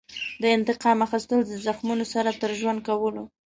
د انتقام اخیستل د زخمونو سره تر ژوند کولو.